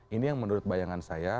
ini yang menurut bayangan saya